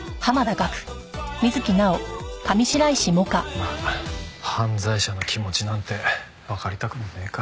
まあ犯罪者の気持ちなんてわかりたくもねえか。